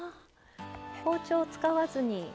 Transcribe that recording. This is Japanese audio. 包丁を使わずに。